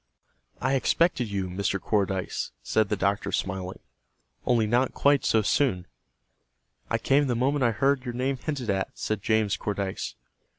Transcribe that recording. "I expected you, Mr. Cordyce," said the doctor smiling, "only not quite so soon." "I came the moment I heard your name hinted at," said James Cordyce.